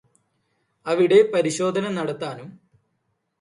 അവിടെ പരിശോധന നടത്താനും